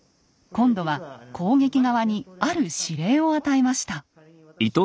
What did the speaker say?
今度は攻撃側にある指令を与えました。